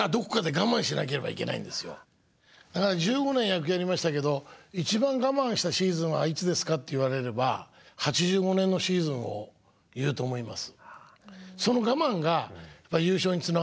だから１５年野球やりましたけど「一番我慢したシーズンはいつですか？」って言われれば８５年のシーズンを言うと思います。